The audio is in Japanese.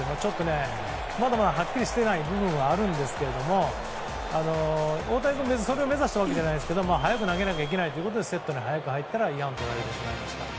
まだまだはっきりしていない部分はあるんですけど大谷君、別にそれを目指したわけではないですけど早く投げなければいけないということでセットに早く入ったら違反を取られてしまいました。